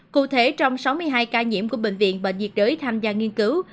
cụ thể trong sáu mươi hai ca nhiễm của bệnh viện bệnh nhiệt đới tham gia nghiên cứu